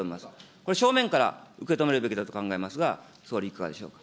これ、正面から受け止めるべきだと考えますが、総理いかがでしょ